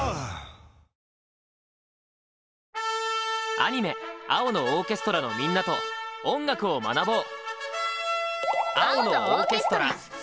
アニメ「青のオーケストラ」のみんなと音楽を学ぼう！